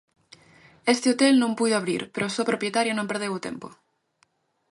Este hotel non puido abrir, pero a súa propietaria non perdeu o tempo.